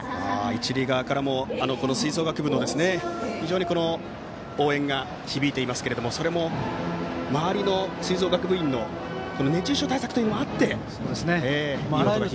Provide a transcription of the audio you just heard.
一塁側からも吹奏楽部の応援が響いていますがそれも周りの吹奏楽部員の熱中症対策もあってと。